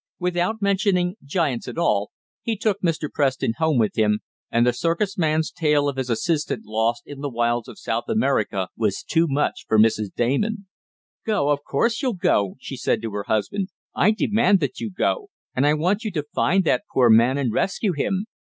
Without mentioning giants at all, he took Mr. Preston home with him, and the circus man's tale of his assistant lost in the wilds of South America was too much for Mrs. Damon. "Go? Of course you'll go!" she said to her husband. "I demand that you go, and I want you to find that poor man and rescue him.